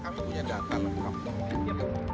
saya juga punya data